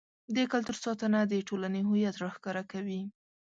د کلتور ساتنه د ټولنې هویت راښکاره کوي.